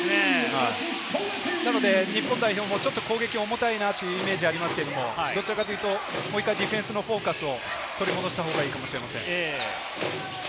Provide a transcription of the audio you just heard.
なので日本代表も攻撃、重たいなというイメージがありますけれども、どちらかというと、もう１回、ディフェンスのフォーカスを取り戻した方がいいかもしれません。